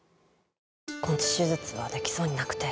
根治手術はできそうになくて。